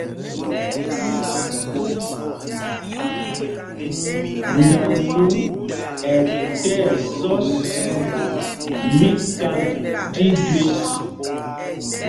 Nanu ɛ tí ɛsɔs míkand tí jüés.